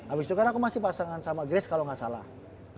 abis itu kan aku masih pasangan sama grace kalau nggak salah